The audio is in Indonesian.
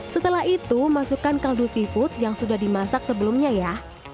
setelah itu masukkan kaldu seafood yang sudah dimasak sebelumnya ya